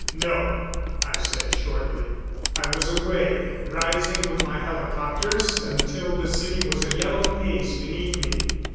"No," I said shortly. I was away, rising with my helicopters until the city was a yellow haze beneath me.